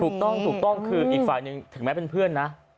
ถูกต้องถูกต้องคืออีกฝ่ายหนึ่งถึงแม้เป็นเพื่อนนะ